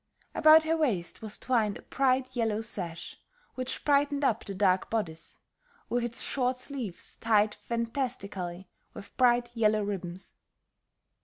About her waist was twined a bright yellow sash which brightened up the dark bodice, with its short sleeves tied fantastically with bright yellow ribbons.